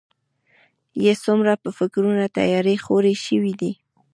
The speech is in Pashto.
يې څومره په فکرونو تيارې خورې شوي دي.